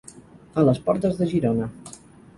A les portes de Girona.